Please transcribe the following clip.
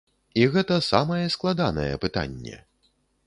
І гэта самае складанае пытанне.